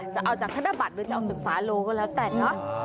จะเอาจากธนบัตรหรือจะเอาจากฝาโลก็แล้วแต่เนาะ